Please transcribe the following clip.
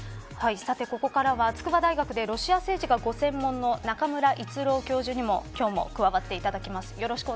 ここからは筑波大学でロシア政治がご専門の中村逸郎教授にも加わっていただきます。